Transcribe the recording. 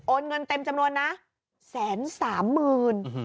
เงินเต็มจำนวนนะแสนสามหมื่น